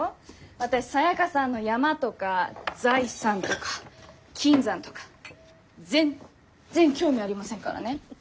私サヤカさんの山とか財産とか金山とか全っ然興味ありませんからね。